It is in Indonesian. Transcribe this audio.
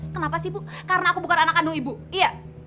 kenapa sih bu karena aku bukan anak kandung ibu iya